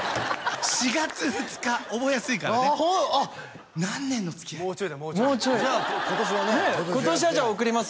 ４月２日覚えやすいからねあっ何年のつきあいもうちょいだもうちょいじゃあ今年はね今年はじゃあ送ります